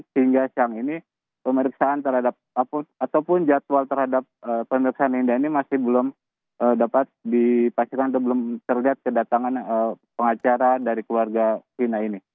sehingga siang ini pemeriksaan terhadap ataupun jadwal terhadap pemeriksaan indah ini masih belum dapat dipastikan atau belum terlihat kedatangan pengacara dari keluarga fina ini